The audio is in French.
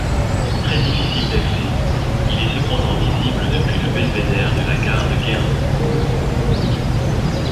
Très difficile d'accès, il est cependant visible depuis le belvédère de la Garde Guérin.